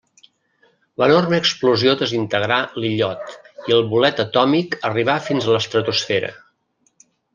L'enorme explosió desintegrà l'illot i el bolet atòmic arribà fins a l'estratosfera.